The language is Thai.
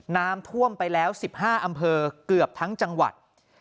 น้ำท่วมไปแล้ว๑๕อำเภอเกือบทั้งจังหวัด